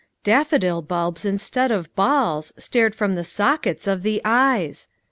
Daffodil bulbs instead of balls Stared from the sockets of the eyes!